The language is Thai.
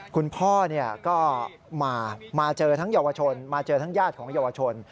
คุณพ่อก็มาเจอทั้งเยาวชนมาเจอทั้งญาติของเยาวชน